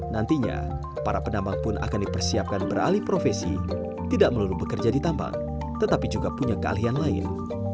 nantinya para penambang pun akan dipersiapkan beralih profesi tidak melulu bekerja di tambang tetapi juga punya keahlian lain